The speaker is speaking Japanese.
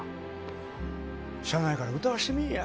しゃあないから歌わしてみいや。